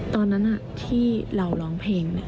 ตอนนั้นที่เราร้องเพลง